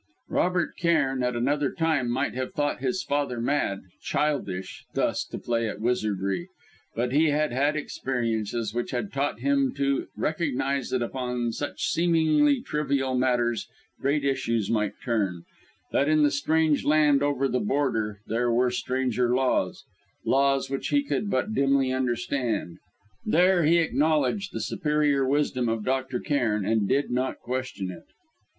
Robert Cairn at another time might have thought his father mad, childish, thus to play at wizardry; but he had had experiences which had taught him to recognise that upon such seemingly trivial matters, great issues might turn, that in the strange land over the Border, there were stranger laws laws which he could but dimly understand. There he acknowledged the superior wisdom of Dr. Cairn; and did not question it.